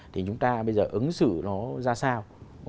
thì chúng ta bây giờ ứng xử nó ra sao